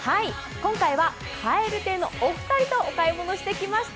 今回は、蛙亭のお二人とお買い物してきました。